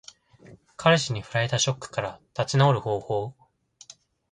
彼氏に振られたショックから立ち直る方法。